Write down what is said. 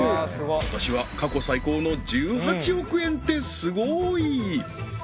今年は過去最高の１８億円ってスゴい！